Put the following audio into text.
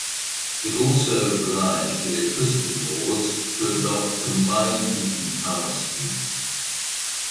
It also obliged Electricity Boards to adopt combined heat and power schemes.